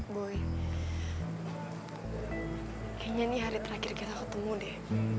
boy kayaknya ini hari terakhir kita ketemu deh